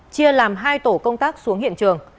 chia làm hai tổ công tác xuống hiện trường